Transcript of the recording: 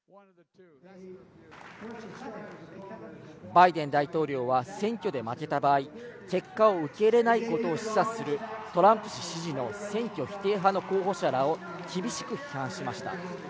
バイデン大統領は選挙で負けた場合、結果を受け入れないことを示唆する、トランプ氏支持の選挙否定派の候補者らを厳しく批判しました。